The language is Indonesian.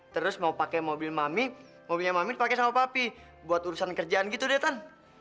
terus mau pakai mobil mami mobilnya mamit pakai sama papi buat urusan kerjaan gitu deh tan